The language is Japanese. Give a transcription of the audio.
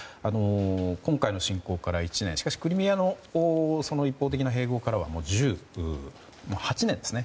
今回の侵攻から１年しかしクリミアの一方的な併合からはもう８年ですね。